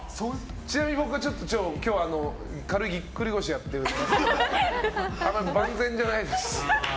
ちなみに僕は今日軽いぎっくり腰をやってるのであんまり万全じゃないです。